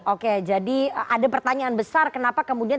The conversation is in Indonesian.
oke jadi ada pertanyaan besar kenapa kemudian